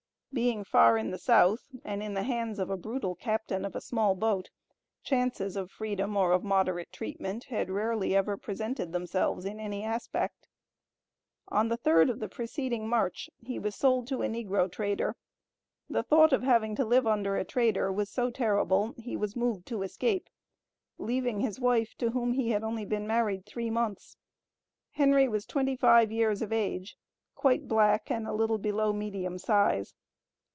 Being far in the South, and in the hands of a brutal "Captain of a small boat," chances of freedom or of moderate treatment, had rarely ever presented themselves in any aspect. On the 3d of the preceding March he was sold to a negro trader the thought of having to live under a trader was so terrible, he was moved to escape, leaving his wife, to whom he had only been married three months. Henry was twenty five years of age, quite black and a little below the medium size.